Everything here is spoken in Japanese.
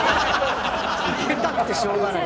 ウケたくてしょうがない。